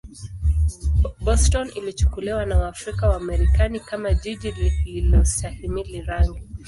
Boston ilichukuliwa na Waafrika-Wamarekani kama jiji lisilostahimili rangi.